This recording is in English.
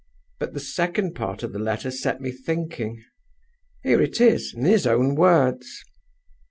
"But the second part of the letter set me thinking. Here it is, in his own words.